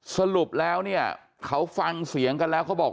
สรุปแล้วเนี่ยเขาฟังเสียงกันแล้วเขาบอก